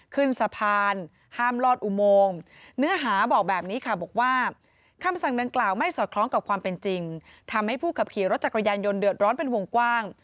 กับความเป็นจริงทำให้ผู้ขับขี่รถจักรยานยนต์เดือดร้อนเป็นวงกว้าง